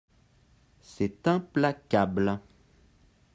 C’est implacable